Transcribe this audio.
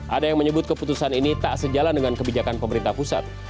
ada yang menyebut keputusan ini tak sejalan dengan kebijakan pemerintah pusat